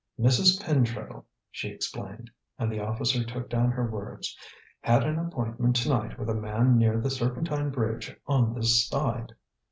"Mrs. Pentreddle," she explained, and the officer took down her words, "had an appointment to night with a man near the Serpentine Bridge on this side.